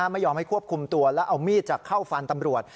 ไม่ยอมให้ควบคุมตัวแล้วเอามีดจะเข้าฟันตำรวจ